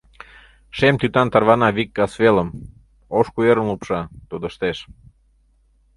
Шем тӱтан тарвана вик касвелым, Ош куэрым лупша, тодыштеш…